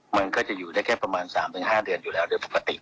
มันก็จะอยู่ได้แค่ประมาณ๓๕เดือนอยู่แล้วโดยปกติ